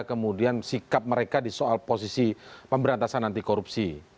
kemudian sikap mereka di soal posisi pemberantasan anti korupsi